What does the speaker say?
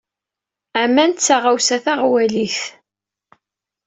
Aman d taɣawsa taɣwalit.